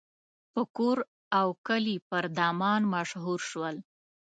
په کور او کلي پر دامان مشهور شول.